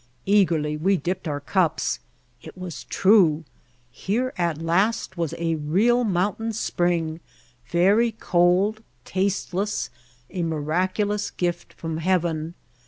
Eagerly we dipped in our cups. It was truel Here at last was a real mountain spring, very cold, tasteless, a miraculous gift from Heaven.